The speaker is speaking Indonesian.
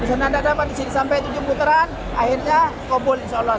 disana tidak dapat disini sampai tujuh puteran akhirnya kobul insya allah